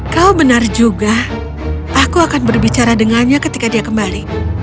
kau benar juga aku akan berbicara dengannya ketika dia kembali